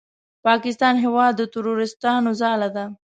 پاکستان هېواد د تروریستانو ځاله ده!